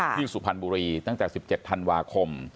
สุพรรณบุรีตั้งแต่๑๗ธันวาคม